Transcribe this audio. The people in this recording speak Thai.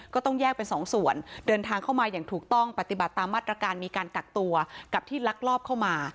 ก็ต้องแยกเป็นสองส่วนเดินทางเข้ามาอย่างถูกต้องปฏิบัติตามมาตรการมีการกักตัวกับที่ลักลอบเข้ามา